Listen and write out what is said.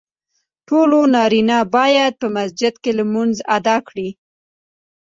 ټولو نارینه باید په مسجد کې لمونځ ادا کړي .